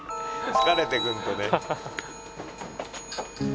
疲れてくるとね。